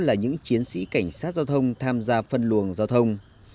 là những chiến sĩ cảnh sát giao thông tham gia phân luồng giao thông